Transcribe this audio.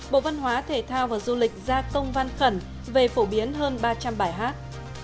bộ văn hóa thể thao và du lịch ra công văn khẩn về phổ biến hơn ba trăm linh bài hát